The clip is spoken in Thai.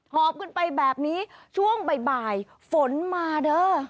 หอบขึ้นไปแบบนี้ช่วงบ่ายฝนมาเด้อ